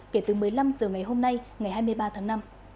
kể từ một mươi năm h ngày hôm nay ngày hai mươi ba tháng năm